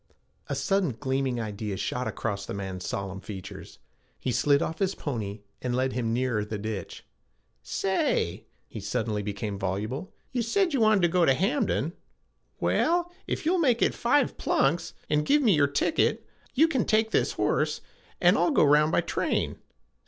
A sudden gleaming idea shot across the man's solemn features. He slid off his pony and led him nearer the ditch. 'Say' he suddenly became voluble, 'you said you wanted to get to Hamden. Well, if you'll make it five plunks, and give me your ticket, you can take this horse, an' I'll go round by train.